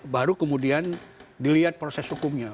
baru kemudian dilihat proses hukumnya